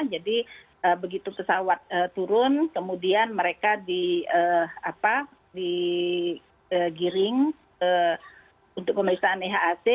jadi begitu pesawat turun kemudian mereka digiring untuk pemerintahan ihac